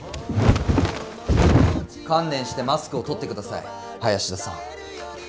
観念してマスクを取って下さい林田さん。